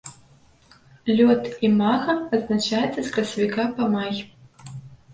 Лёт імага адзначаецца з красавіка па май.